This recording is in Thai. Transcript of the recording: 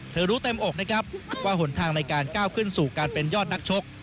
รู้เต็มอกนะครับว่าหนทางในการก้าวขึ้นสู่การเป็นยอดนักชก